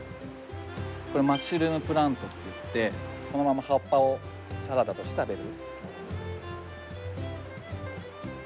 これ、マッシュルームプラントっていって、このまま葉っぱをサラダとして食べる。